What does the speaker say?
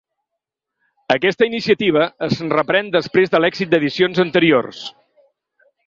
Aquesta iniciativa es reprèn després de l’èxit d’edicions anteriors.